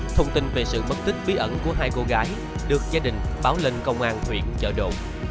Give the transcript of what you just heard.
thông tin về sự mất tích bí ẩn của hai cô gái được gia đình báo lên công an huyện chợ đồn